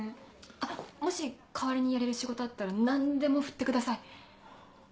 あっもし代わりにやれる仕事あったら何でも振ってください。